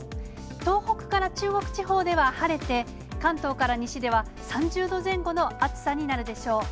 東北から中国地方では晴れて、関東から西では３０度前後の暑さになるでしょう。